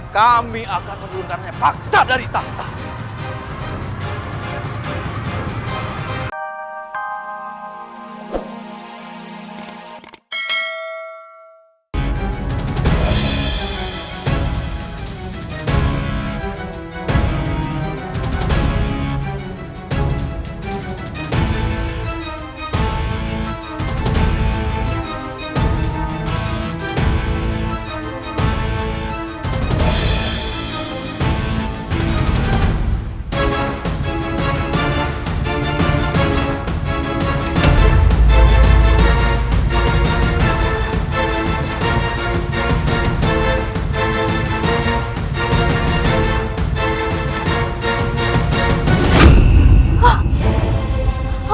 kami akan menundangnya paksa dari tata